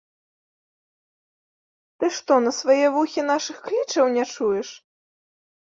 Ты што, на свае вухі нашых клічаў не чуеш?